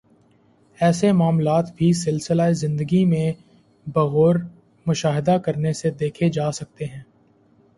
ایسے معاملات بھی سلسلہ زندگی میں بغور مشاہدہ کرنے سے دیکھے جا سکتے ہیں